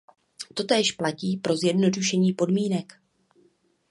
Totéž platí pro zjednodušení podmínek.